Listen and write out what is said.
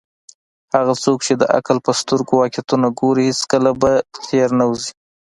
هغه څوک چې د عقل په سترګو واقعیتونه ګوري، هیڅکله به تیر نه وزي.